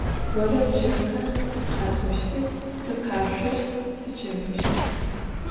Vored çefxer khet'oştıx, tıkheşsoşt, tıçefışt.